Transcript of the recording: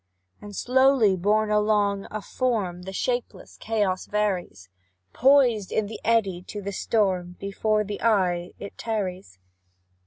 And, slowly borne along, a form The shapeless chaos varies; Poised in the eddy to the storm, Before the eye it tarries.